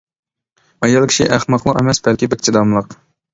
ئايال كىشى ئەخمەقلا ئەمەس بەلكى بەك چىداملىق!